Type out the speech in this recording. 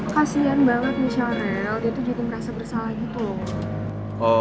kasian banget michelle rell dia tuh jadi merasa bersalah gitu loh